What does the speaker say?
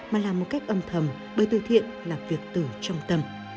mà làm một cách âm thầm bởi từ thiện là việc từ trong tâm